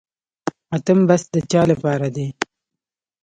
اتم بست د چا لپاره دی؟